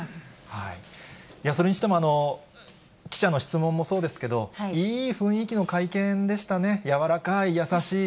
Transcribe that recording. それにしても記者の質問もそうですけど、いい雰囲気の会見でしたね、柔らかい、優しい。